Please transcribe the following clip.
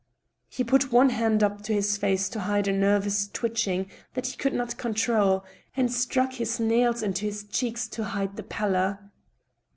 He put one hand up to his face to hide a nervous twitching that he could not control, and stuck his nails into his cheeks to hide their pallor. A DISAGREEABLE VISITOR.